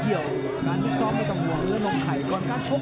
นี่คือยอดมวยแท้รักที่ตรงนี้ครับ